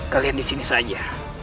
kalian di sini saja